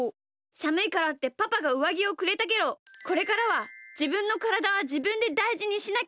さむいからってパパがうわぎをくれたけどこれからはじぶんのからだはじぶんでだいじにしなきゃダメだな！